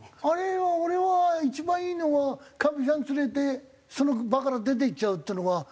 あれは俺は一番いいのはかみさん連れてその場から出ていっちゃうっていうのが。